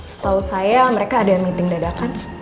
setahu saya mereka ada yang meeting dadakan